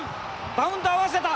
バウンド合わせた！